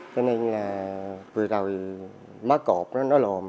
cho nên là vừa rồi má cột nó lồn